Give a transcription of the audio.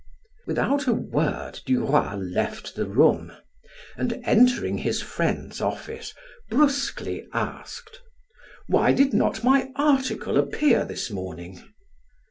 Without a word, Duroy left the room, and entering his friend's office, brusquely asked: "Why did not my article appear this morning?"